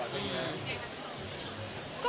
ไปไปตลอด